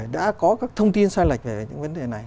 đã có các thông tin sai lệch về những vấn đề này